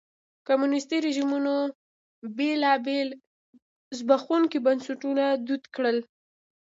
کمونیستي رژیمونو بېلابېل زبېښونکي بنسټونه دود کړل.